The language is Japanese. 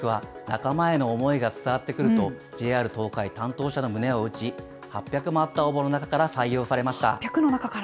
伊達さんの企画は仲間への思いが伝わってくると、ＪＲ東海担当者の胸を打ち、８００もあった応募の中から採用されました。